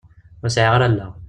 Ur sɛiɣ ara allaɣ.